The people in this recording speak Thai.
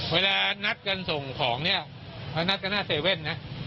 เวลานัดกันส่งของเนี่ยเขานัดกันหน้าเซเว่นนะ